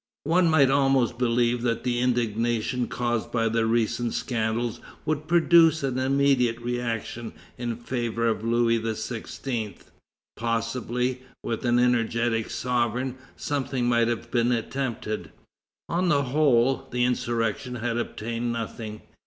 One might almost believe that the indignation caused by the recent scandals would produce an immediate reaction in favor of Louis XVI. Possibly, with an energetic sovereign, something might have been attempted. On the whole, the insurrection had obtained nothing.